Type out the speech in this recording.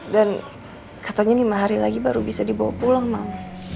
dan katanya lima hari lagi baru bisa dibawa pulang mam